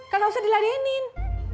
kan tak usah diladenin